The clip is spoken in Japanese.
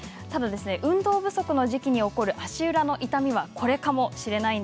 運動不足の時期に起こる足裏の痛み、これかもしれません。